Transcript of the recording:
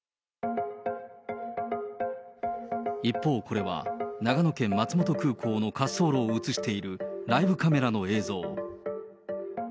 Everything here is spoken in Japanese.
一方、これは長野県まつもと空港の滑走路を写しているライブカメラの映像。